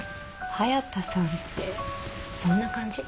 隼田さんってそんな感じ。